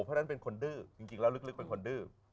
เพราะฉะนั้นเป็นคนดื้อจริงแล้วลึกเป็นคนดื้อ